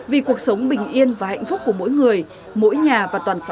vì cuộc sống bình yên và hạnh phúc của mỗi người mỗi nhà và toàn xã hội